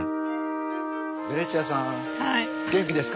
ベニシアさん元気ですか？